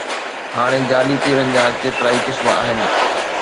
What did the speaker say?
هاڻي جعلي پيرن جا ڪيترائي قسم آهن.